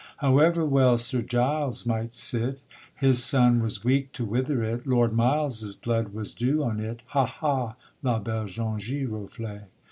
_ However well Sir Giles might sit, His sun was weak to wither it, Lord Miles's blood was dew on it: _Hah! hah! la belle jaune giroflée.